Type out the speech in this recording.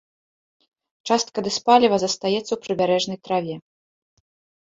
Частка дызпаліва застаецца ў прыбярэжнай траве.